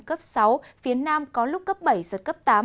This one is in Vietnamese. cấp sáu phía nam có lúc cấp bảy giật cấp tám